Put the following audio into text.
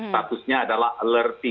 statusnya adalah alert tiga